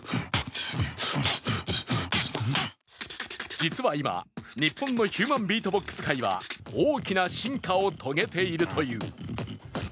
実は今、日本のヒューマンビートボックス界は大きな進化を遂げているという。